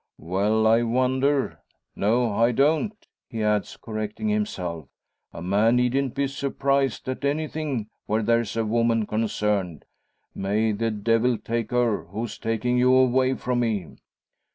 "Well, I wonder! No, I don't," he adds, correcting himself. "A man needn't be surprised at anything where there's a woman concerned. May the devil take her, who's taking you away from me!"